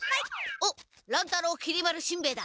おっ乱太郎きり丸しんべヱだ！